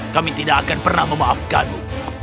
kami tidak akan pernah memaafkanmu